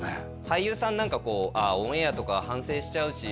俳優さんなんかこう「オンエアとか反省しちゃうし」